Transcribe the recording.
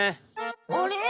あれ？